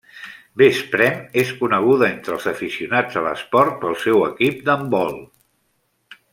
Veszprém és coneguda entre els aficionats a l'esport pel seu equip d'handbol.